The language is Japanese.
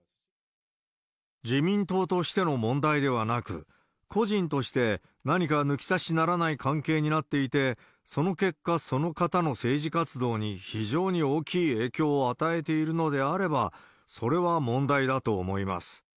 自民党としての問題ではなく、個人として、何か抜き差しならない関係になっていて、その結果、その方の政治活動に非常に大きい影響を与えているのであれば、それは問題だと思います。